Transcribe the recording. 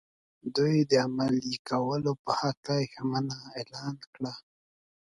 دوی د عملي کولو په هکله ژمنه اعلان کړه.